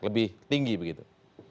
lebih tinggi begitu